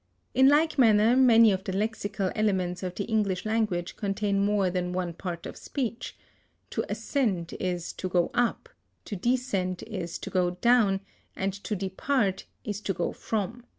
In like manner many of the lexical elements of the English language contain more than one part of speech: To ascend is to go up; to descend is to go down; and to depart is to go from.